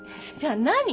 じゃあ何？